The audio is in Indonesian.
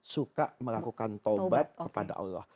suka melakukan taubat kepada allah